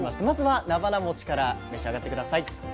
まずはなばなもちから召し上がって下さい。